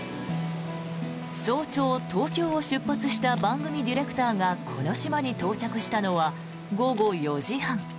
早朝、東京を出発した番組ディレクターがこの島に到着したのは午後４時半。